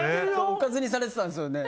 おかずにされてたんですよね。